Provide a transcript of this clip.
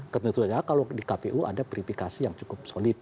tentunya kalau di kpu ada verifikasi yang cukup solid